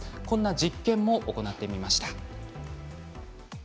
こんな実験を行ってみました。